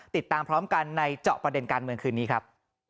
ติดตามพร้อมกันในเจาะประเด็นการเมืองคืนนี้ครับ